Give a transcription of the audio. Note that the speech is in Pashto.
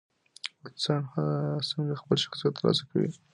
انسان څنګه خپل شخصیت ترلاسه کوي؟